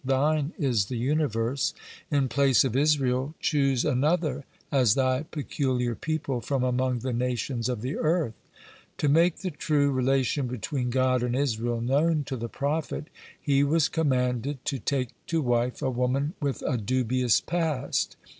Thine is the universe. In place of Israel choose another as Thy peculiar people from among the nations of the earth." To make the true relation between God and Israel known to the prophet, he was commanded to take to wife a woman with a dubious past.